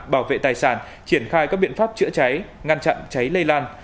bảo vệ tài sản triển khai các biện pháp chữa cháy ngăn chặn cháy lây lan